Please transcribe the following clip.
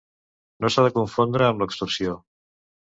No s'ha de confondre amb l'extorsió.